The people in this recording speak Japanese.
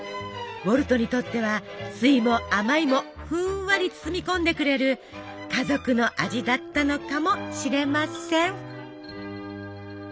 ウォルトにとっては酸いも甘いもふんわり包み込んでくれる家族の味だったのかもしれません。